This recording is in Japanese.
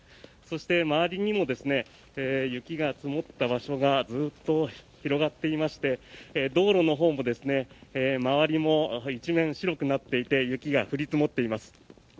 そして周りにも雪が積もった場所がずっと広がっていまして道路のほうも周りも一面白くなっていて雪が降り積もっています。